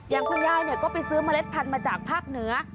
อย่างคุณยายก็ไปซื้อเมล็ดพันธุ์มาจากภาคเหนือ